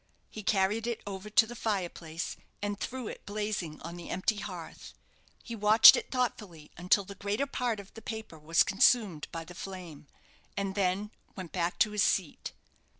He carried it over to the fire place, and threw it blazing on the empty hearth. He watched it thoughtfully until the greater part of the paper was consumed by the flame, and then went back to his seat.